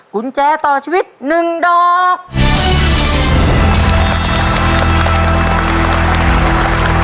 กุญแจต่อชีวิต๑ดอก